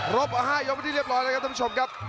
รบ๕ยกพอที่เรียบร้อยครับคุณผู้ชมกับ